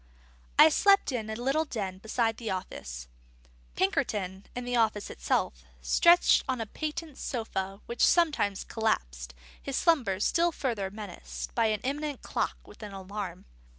I slept in a little den behind the office; Pinkerton, in the office itself, stretched on a patent sofa which sometimes collapsed, his slumbers still further menaced by an imminent clock with an alarm.